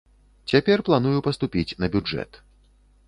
Цяпер планую паступіць на бюджэт.